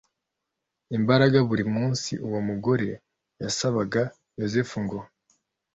imbaraga Buri munsi uwo mugore yasabaga Yozefu ngo